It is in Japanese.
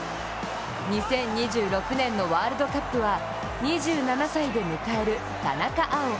２０２６年のワールドカップは２７歳で迎える、田中碧。